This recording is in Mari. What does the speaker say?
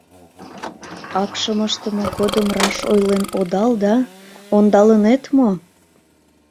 Акшым ыштыме годым раш ойлен одал да, ондалынет мо?..